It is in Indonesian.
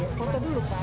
foto dulu pak